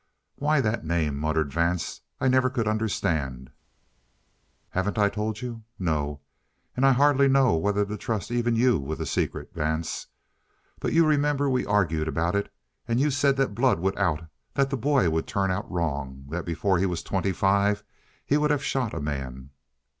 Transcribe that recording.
"Why that name," muttered Vance, "I never could understand." "Haven't I told you? No, and I hardly know whether to trust even you with the secret, Vance. But you remember we argued about it, and you said that blood would out; that the boy would turn out wrong; that before he was twenty five he would have shot a man?"